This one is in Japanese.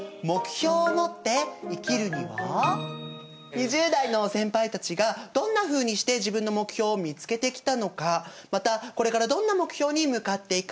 ２０代の先輩たちがどんなふうにして自分の目標を見つけてきたのかまたこれからどんな目標に向かっていくのか。